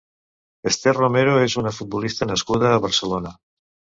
Esther Romero és una futbolista nascuda a Barcelona.